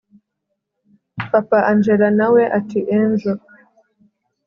papa angella nawe ati angel